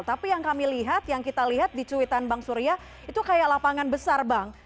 tapi yang kami lihat yang kita lihat di cuitan bang surya itu kayak lapangan besar bang